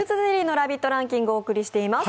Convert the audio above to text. ランキングをお送りしています。